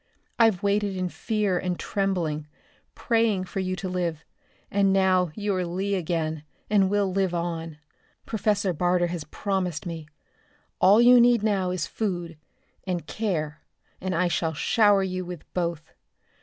I've waited in fear and trembling, praying for you to live, and now you are Lee again, and will live on. Professor Barter has promised me. All you need now is food, and care, and I shall shower you with both.